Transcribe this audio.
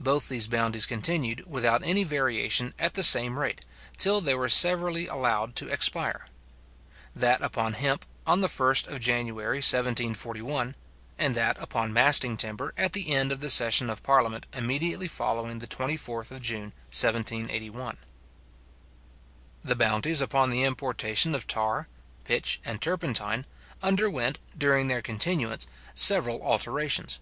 Both these bounties continued, without any variation, at the same rate, till they were severally allowed to expire; that upon hemp on the 1st of January 1741, and that upon masting timber at the end of the session of parliament immediately following the 24th June 1781. The bounties upon the importation of tar, pitch, and turpentine, underwent, during their continuance, several alterations.